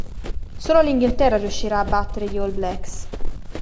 Solo l'Inghilterra riuscirà a battere gli All Blacks.